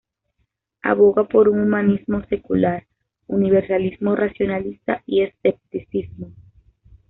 Aboga por un humanismo secular, universalismo racionalista y escepticismo.